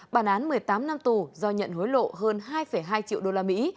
bản án một mươi tám năm tù do nhận hối lộ hơn hai hai triệu usd